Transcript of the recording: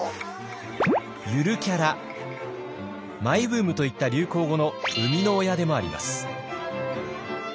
「ゆるキャラ」「マイブーム」といった流行語の生みの親でもあります。